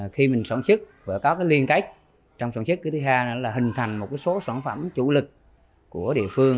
khi mình sản xuất và có cái liên kết trong sản xuất thứ hai là hình thành một số sản phẩm chủ lực của địa phương